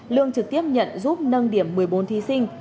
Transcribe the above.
lương trực tiếp nhận giúp nâng điểm một mươi bốn thí sinh